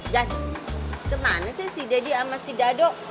jan kemana si daddy dan si dadok